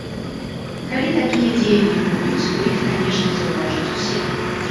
Калі такія дзеянні будуць, то іх, канечне, заўважаць усе.